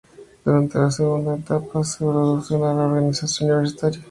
Durante la segunda etapa se produce una reorganización universitaria.